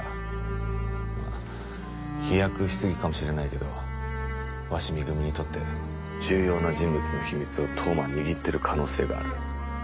まあ飛躍しすぎかもしれないけど鷲見組にとって重要な人物の秘密を当麻は握ってる可能性がある。